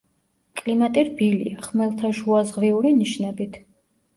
კლიმატი რბილია, ხმელთაშუაზღვიური ნიშნებით.